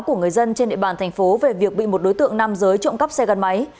của người dân trên địa bàn thành phố về việc bị một đối tượng nam giới trộm cắp xe gắn máy